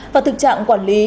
và thực trạng quản lý